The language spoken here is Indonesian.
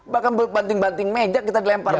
bahkan banting banting meja kita dilempar